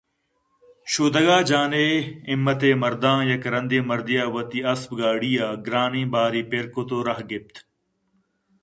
شودگ ءَ جان ءِ ہمّت ء مَرداں یک رَندے مردے ءَ وتی اپس گاڑی ءَ گرٛانیں بارے پِرکُت ءُ رَہ گپت